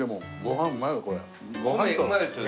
米うまいですよね。